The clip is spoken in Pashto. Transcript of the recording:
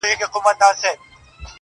اوس چي ستا نوم اخلمه_